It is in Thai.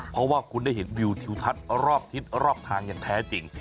เพราะว่าคุณได้เห็นวิวทิวทัศน์รอบทิศรอบทางอย่างแท้จริง